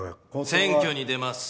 選挙に出ます。